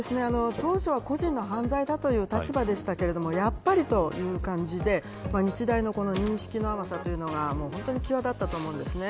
当初は個人の犯罪だという立場でしたがやっぱり、という感じで日大の認識の甘さというのが際立ったと思うんです。